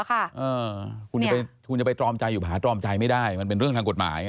คุณจะไปตรอมใจอยู่ผาตรอมใจไม่ได้มันเป็นเรื่องทางกฎหมาย